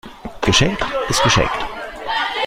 Geschenkt ist geschenkt.